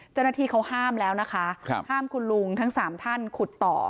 เจ้าหน้าที่เขาห้ามแล้วนะคะห้ามคุณลุงทั้ง๓ท่านขุดต่อ